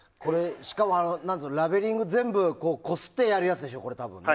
しかも、ラベリング全部こすってやるやつでしょ、これ。